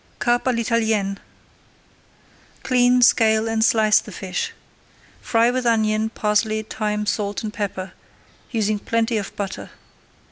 CARP À L'ITALIENNE Clean, scale, and slice the fish. Fry with onion, parsley, thyme, salt, and pepper, using plenty of butter.